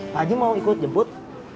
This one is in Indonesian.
haji mau ikut jemput